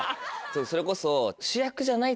それこそ。